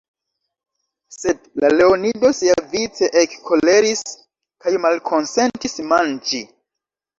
Sed la leonido siavice ekkoleris kaj malkonsentis manĝi.